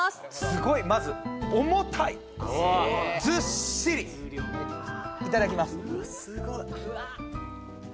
すごいまず重たいいただきます